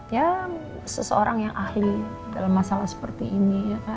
ya seseorang yang ahli dalam masalah seperti ini